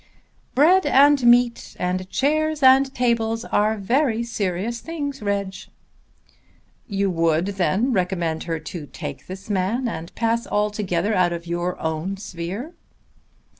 "Bread and meat and chairs and tables are very serious things, Reg." "You would then recommend her to take this man, and pass altogether out of your own sphere?"